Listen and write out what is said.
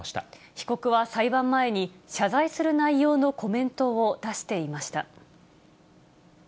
被告は裁判前に、謝罪する内容のコメントを出していました。